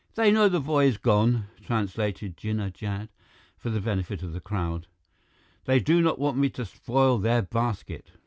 "They know the boy is gone," translated Jinnah Jad, for the benefit of the crowd. "They do not want me to spoil their basket."